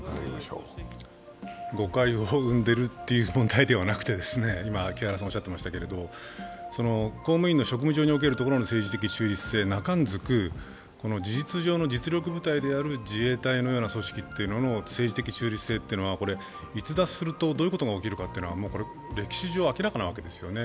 誤解を生んでいるという問題ではなくて公務員の職務上における政治的公平性、事実上の実力部隊である自衛隊のような組織の政治的中立性というのが逸脱するとどういうことが起きるかっていうと歴史上明らかなわけですよね。